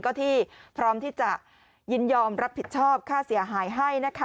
ก็ที่พร้อมที่จะยินยอมรับผิดชอบค่าเสียหายให้นะคะ